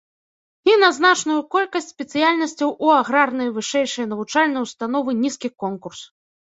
І на значную колькасць спецыяльнасцяў у аграрныя вышэйшыя навучальныя ўстановы нізкі конкурс.